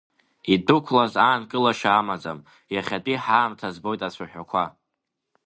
Идәықәлаз аанкылашьа амаӡам, иахьатәи ҳаамҭа збоит ацәаҳәақәа…